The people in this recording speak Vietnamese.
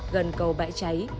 gần cầu bãi cháy